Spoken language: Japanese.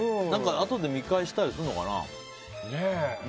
あとで見返したりするのかな。